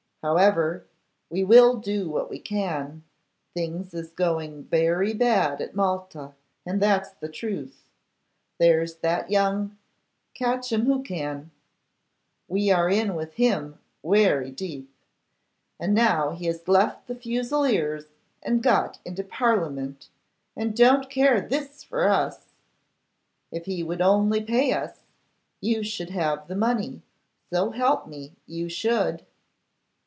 However, we will do what we can. Things is going very bad at Malta, and that's the truth. There's that young Catchimwhocan, we are in with him wery deep; and now he has left the Fusiliers and got into Parliament, he don't care this for us. If he would only pay us, you should have the money; so help me, you should.